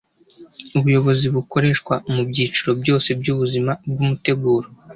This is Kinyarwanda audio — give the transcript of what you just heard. Ubuyobozi bukoreshwa mubyiciro byose byubuzima bwumuteguro